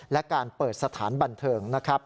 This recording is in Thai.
และการเปิดสถานบันเทิงนะครับ